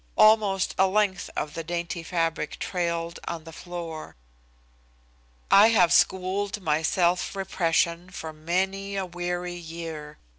Almost a length of the dainty fabric trailed on the floor. I have schooled my self repression for many a weary year.